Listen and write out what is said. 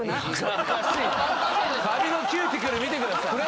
髪のキューティクル見てください！